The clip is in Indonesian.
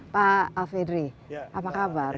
pak alfedri apa kabar